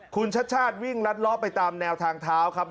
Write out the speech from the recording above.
คุณชัดชาติวิ่งรัดล้อไปตามแนวทางเท้าครับ